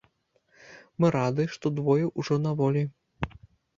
Мы рады, што двое ўжо на волі.